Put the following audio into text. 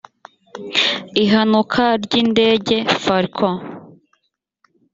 ihanuka ry’indege falcon